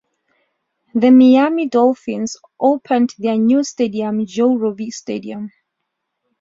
The Miami Dolphins opened their new stadium Joe Robbie Stadium.